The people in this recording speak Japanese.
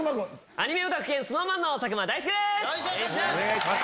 アニメオタク兼ＳｎｏｗＭａｎの佐久間大介です！